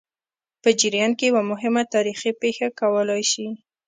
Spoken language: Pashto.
په جریان کې یوه مهمه تاریخي پېښه کولای شي.